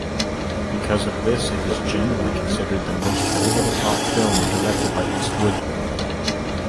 Because of this, it is generally considered the most over-the-top film directed by Eastwood.